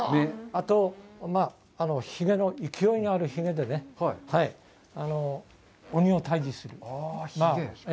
あと、ひげの勢いのあるひげでね鬼を退治する。